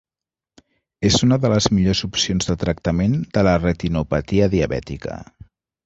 És una de les millors opcions de tractament de la retinopatia diabètica.